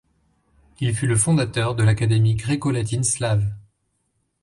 Il fut le fondateur de l'académie gréco-latine slave.